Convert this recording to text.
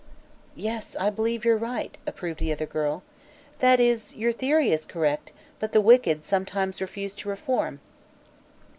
'" "Yes; I believe you're right," approved the other girl. "That is, your theory is correct, but the wicked sometimes refuse to reform."